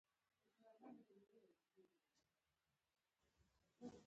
احمد کونې ته غټه ډبره ږدي.